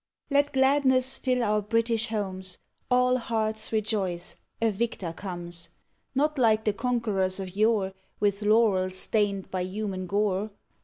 _ Let gladness fill our British homes, All hearts rejoice! a victor comes: Not like the conquerors of yore With laurels stained by human gore.